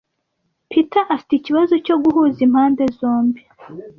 Peter afite ikibazo cyo guhuza impande zombi.